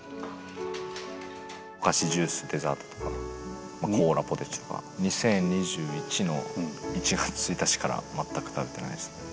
お菓子、ジュース、デザートとか、コーラ、ポテチとか、２０２１の１月１日から全く食べてないですね。